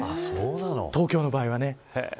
東京の場合はね。